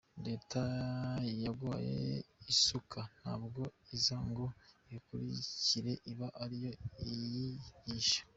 Leta yaguhaye isuka ntabwo iza ngo igukurikire iba ariyo iyihingisha”.